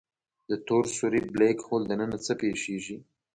د تور سوری Black Hole دننه څه پېښېږي؟